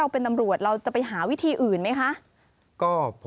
สนุนโดยอีซุสุข